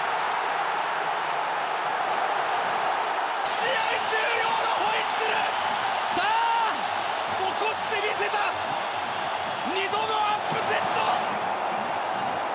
試合終了のホイッスル！起こしてみせた２度のアップセット！